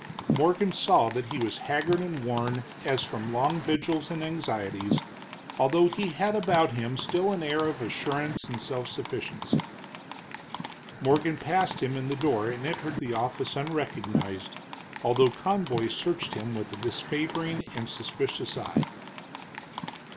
Morgan saw that he was haggard and worn as from long vigils and anxieties, although he had about him still an air of assurance and self sufficiency. Morgan passed him in the door and entered the office unrecognized, although Conboy searched him with a disfavoring and suspicious eye.